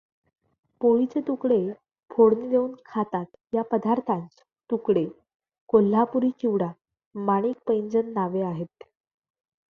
पोळीचे तुकडे फोडणी देउन खातात या पदार्थास तुकडे कोल्हापुरी चिवडा माणिक पैंजण नावे आहेत.